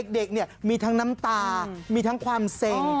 เด็กมีทั้งน้ำตามีทั้งความเซ็ง